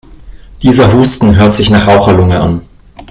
Dieser Husten hört sich nach Raucherlunge an.